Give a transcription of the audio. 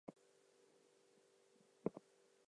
The accuracy of this scaling is, however, disputed.